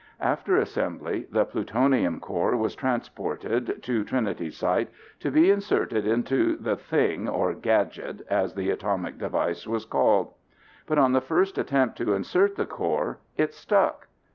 After assembly, the plutonium core was transported to Trinity Site to be inserted into the thing or gadget as the atomic device was called. But, on the first attempt to insert the core it stuck!